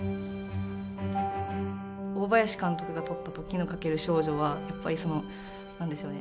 大林監督が撮った「時をかける少女」はやっぱりその何でしょうね。